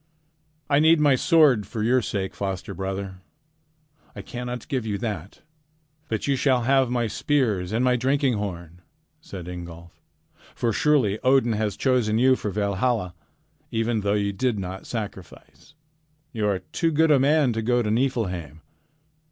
"I need my sword for your sake, foster brother. I cannot give you that. But you shall have my spears and my drinking horn," said Ingolf. "For surely Odin has chosen you for Valhalla, even though you did not sacrifice. You are too good a man to go to Niflheim.